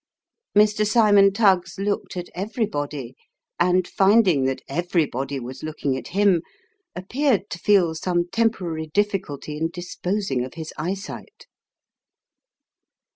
Mr. Cymon Tuggs looked at everybody ; and finding that everybody was looking at him, appeared to feel some temporary difficulty in disposing of his eyesight.